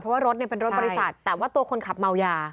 เพราะว่ารถเนี่ยเป็นรถบริษัทแต่ว่าตัวคนขับเมายา